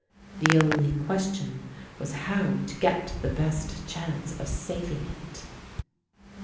The only question was how to get the best chance of saving it.